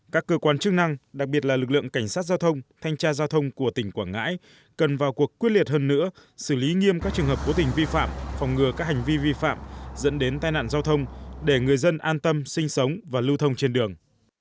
các cơ quan chức năng đặc biệt là lực lượng cảnh sát giao thông thanh tra giao thông của tỉnh quảng ngãi cần vào cuộc quyết liệt hơn nữa xử lý nghiêm các trường hợp cố tình vi phạm phòng ngừa các hành vi vi phạm dẫn đến tai nạn giao thông để người dân an tâm sinh sống và lưu thông trên đường